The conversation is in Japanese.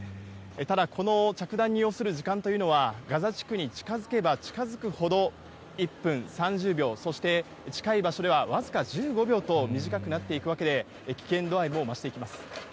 ただ、この着弾に要する時間というのは、ガザ地区に近づけば近づくほど、１分、３０秒、そして近い場所では僅か１５秒と、短くなっていくわけで、危険度合いも増していきます。